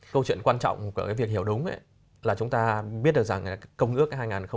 câu chuyện quan trọng của cái việc hiểu đúng là chúng ta biết được rằng công ước hai nghìn ba